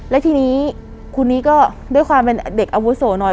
และทีนี้คุณนี้ก็ด้วยความเป็นเด็กอาวุโสหน่อย